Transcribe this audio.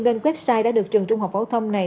tên website đã được trường trung học phổ thông này